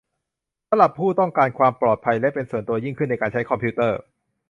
สำหรับผู้ต้องการความปลอดภัยและเป็นส่วนตัวยิ่งขึ้นในการใช้คอมพิวเตอร์